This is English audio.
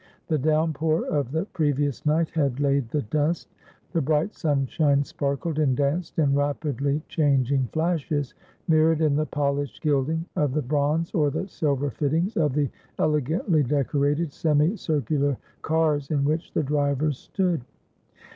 The down pour of the previous night had laid the dust; the bright sunshine sparkled and danced in rapidly changing flashes, mirrored in the polished gilding of the bronze or the silver fittings of the ele gantly decorated, semicircular cars in which the drivers stood.